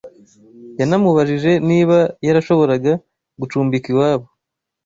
Yanamubajije niba yarashoboraga gucumbika iwabo.